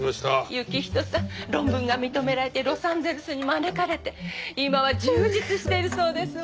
行人さん論文が認められてロサンゼルスに招かれて今は充実しているそうですわ。